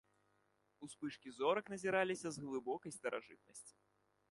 Успышкі зорак назіраліся з глыбокай старажытнасці.